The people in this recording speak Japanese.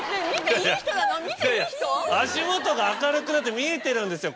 足元が明るくなって見えてるんですよ